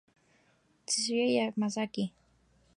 Tetsuya Yamazaki